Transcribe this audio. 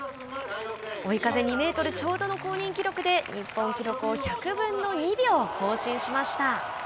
追い風２メートルちょうどの公認記録で日本記録を１００分の２秒更新しました。